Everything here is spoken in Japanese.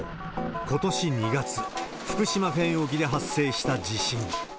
ことし２月、福島県沖で発生した地震。